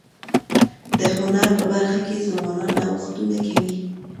د هنر په برخه کي ځوانان نوښتونه کوي.